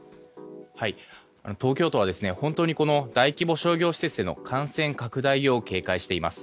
東京都は本当に大規模商業施設での感染拡大を警戒しています。